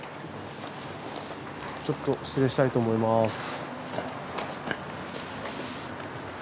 ちょっと失礼したいと思います。